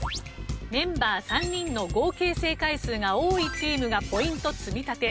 メンバー３人の合計正解数が多いチームがポイント積み立て。